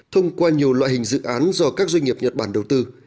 thông qua nhiều loại hình dự án do các doanh nghiệp nhật bản đầu tư